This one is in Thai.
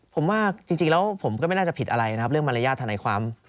ผมว่าจริงแล้วผมก็ไม่น่าจะผิดอะไรนะครับเรื่องมารยาทธนายความ